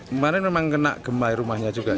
kemarin memang kena gemai rumahnya juga